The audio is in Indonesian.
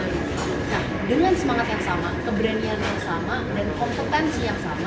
nah dengan semangat yang sama keberanian yang sama dan kompetensi yang sama